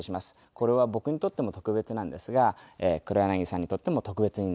これは僕にとっても特別なんですが黒柳さんにとっても特別になります。